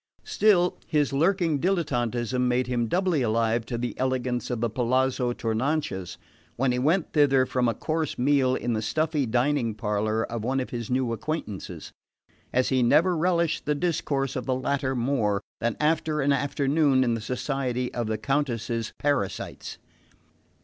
Still, his lurking dilettantism made him doubly alive to the elegance of the Palazzo Tournanches when he went thither from a coarse meal in the stuffy dining parlour of one of his new acquaintances; as he never relished the discourse of the latter more than after an afternoon in the society of the Countess's parasites.